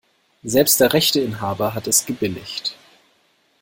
Selbst der Rechteinhaber hat es gebilligt.